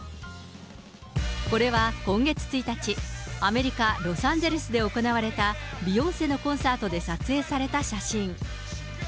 これは今月１日、アメリカ・ロサンゼルスで行われた、ビヨンセのコンサートで撮影された写真。